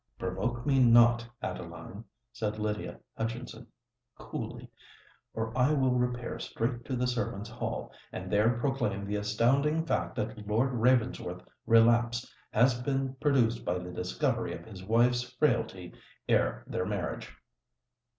"Provoke me not, Adeline," said Lydia Hutchinson, coolly; "or I will repair straight to the servants' hall, and there proclaim the astounding fact that Lord Ravensworth's relapse has been produced by the discovery of his wife's frailty ere their marriage."